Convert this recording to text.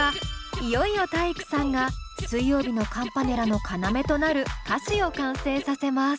いよいよ体育さんが水曜日のカンパネラの要となる歌詞を完成させます。